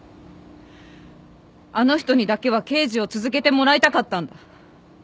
あの人にだけは刑事を続けてもらいたかったんだ。